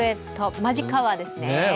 マジかわですね。